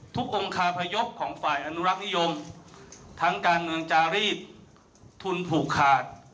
ทุกองคาพยพของฝ่ายอนุรักษ์นิยมทั้งการเงินจารีศทุนผูกขาด